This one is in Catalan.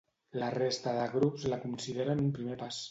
La resta de grups la consideren un primer pas.